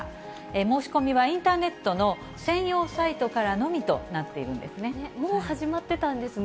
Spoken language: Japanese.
申し込みはインターネットの専用サイトからのみとなっているんでもう始まってたんですね。